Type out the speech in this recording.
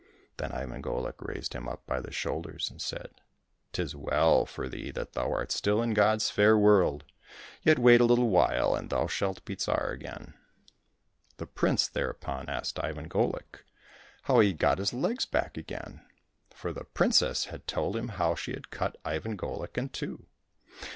" Then Ivan Golik raised him up by the shoulders and said, " 'Tis well for thee that thou art still in God's fair world ! Yet wait a little while, and thou shalt be Tsar again !" The prince thereupon asked Ivan Golik how he 285 COSSACK FAIRY TALES had got his legs back again, for the princess had told him how she had cut Ivan Golik in two.